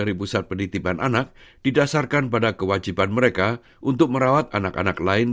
ibu sandu menjelaskan mengapa anak anak yang sakit